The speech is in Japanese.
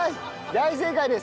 大正解です！